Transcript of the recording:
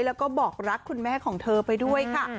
แล้วก็บอกรักคุณแม่ของเธอไปด้วยค่ะ